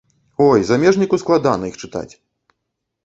Ой, замежніку складана іх чытаць!